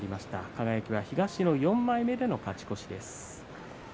輝、東の４枚目の勝ち越しです。